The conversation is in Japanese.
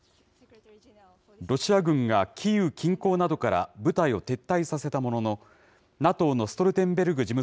ロシア軍がキーウ近郊などから部隊を撤退させたものの、ＮＡＴＯのストルテンベルグ